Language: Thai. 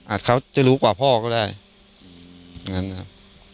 เขาจะรู้กว่าพ่อก็ได้อย่างนั้นครับ